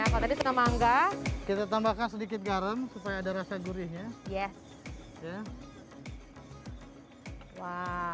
kalau tadi setengah mangga kita tambahkan sedikit garam supaya ada rasa gurihnya ya